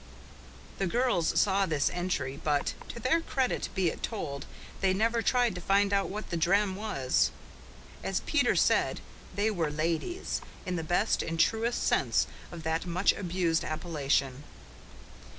The girls saw this entry but, to their credit be it told, they never tried to find out what the "drem" was. As Peter said, they were "ladies" in the best and truest sense of that much abused appellation.